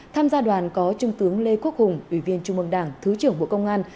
tham gia đoàn có trung tướng lê quốc hùng ủy viên trung mương đảng thứ trưởng bộ công an